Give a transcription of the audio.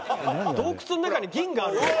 洞窟の中に銀があるぞ。